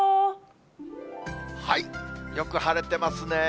よく晴れてますね。